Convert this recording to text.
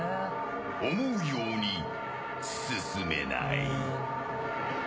思うように進めない。